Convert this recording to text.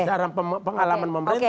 biar pengalaman pemerintah